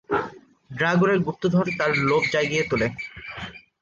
ড্রাগনের গুপ্তধন তার লোভ জাগিয়ে তোলে।